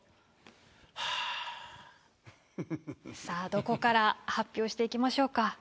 さあどこから発表していきましょうか？